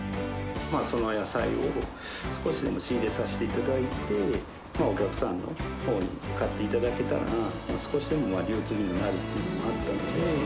その野菜を、少しでも仕入れさせていただいて、お客さんに買っていただけたら、少しでも流通にもなるというふうになったので。